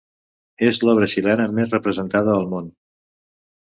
És l'obra xilena més representada al món.